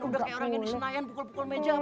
udah kayak orang yang disenayan pukul pukul meja